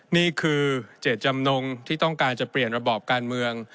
นี่คือเจตจำนงที่ต้องการจะเปลี่ยนระบอบการเมือง